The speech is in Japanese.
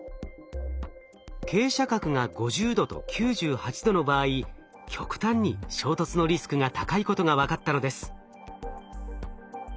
傾斜角が５０度と９８度の場合極端に衝突のリスクが高いことが分かったのです。